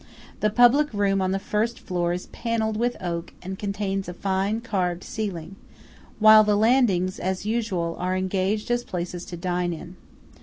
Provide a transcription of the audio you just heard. The public room on the first floor is panelled with oak and contains a fine carved ceiling; while the landings, as usual, are arranged as places to dine in.